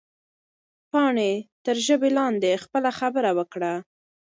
پاڼې تر ژبه لاندې خپله خبره وکړه.